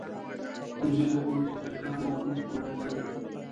ښوونځی زده کوونکو ته د کار مفهوم ورزده کوي.